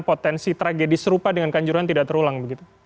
potensi tragedi serupa dengan kanjuruhan tidak terulang begitu